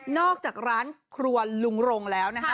อกจากร้านครัวลุงรงแล้วนะฮะ